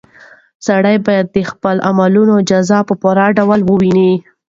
سړی باید د خپلو اعمالو جزا په پوره ډول وویني.